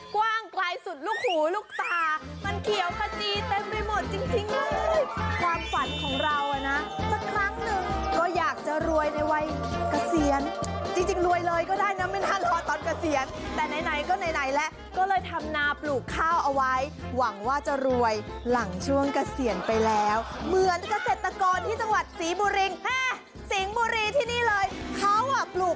กว้างไกลสุดลูกหูลูกตามันเขียวขจีเต็มไปหมดจริงเลยความฝันของเราอ่ะนะสักครั้งหนึ่งก็อยากจะรวยในวัยเกษียณจริงรวยเลยก็ได้นะไม่น่ารอตอนเกษียณแต่ไหนก็ไหนแล้วก็เลยทำนาปลูกข้าวเอาไว้หวังว่าจะรวยหลังช่วงเกษียณไปแล้วเหมือนเกษตรกรที่จังหวัดศรีบุรีสิงห์บุรีที่นี่เลยเขาอ่ะปลูก